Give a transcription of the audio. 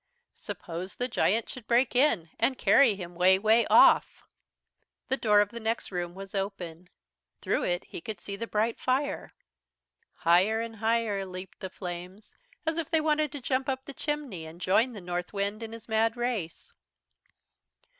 Suppose the Giant should break in and carry him 'way, 'way off! The door of the next room was open. Through it he could see the bright fire. Higher and higher leaped the flames, as if they wanted to jump up the chimney and join the Northwind in his mad race.